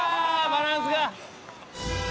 バランスが。